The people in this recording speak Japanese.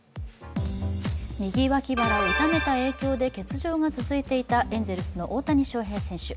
右脇腹を痛めた影響で欠場が続いていたエンゼルスの大谷翔平選手。